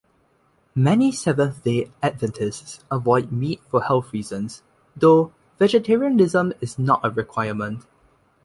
Many Seventh-day Adventists avoid meat for health reasons, though vegetarianism is not a requirement.